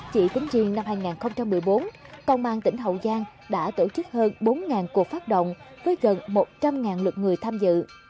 chỉ tính riêng năm hai nghìn một mươi bốn công an tỉnh hậu giang đã tổ chức hơn bốn cuộc phát động với gần một trăm linh lượt người tham dự